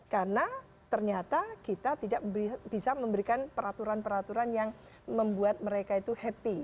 karena ternyata kita tidak bisa memberikan peraturan peraturan yang membuat mereka itu happy